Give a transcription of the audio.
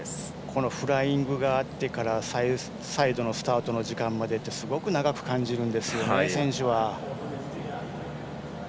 フライングがあってから再度のスタートの時間までってすごく長く感じるんですよね選手は。